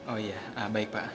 oh iya baik pak